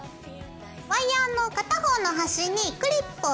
ワイヤーの片方の端にクリップをつけます。